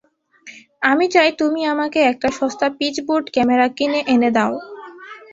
আমি চাই তুমি আমাকে একটা সস্তা পিচবোর্ড ক্যামেরা কিনে এনে দাও।